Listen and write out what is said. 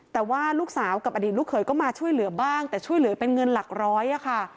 แต่ว่าลูกสาวกับอดีตลูกเขยก็มาช่วยเหลือบ้างแต่ช่วยเหลือเป็นเงินหลักร้อยค่ะ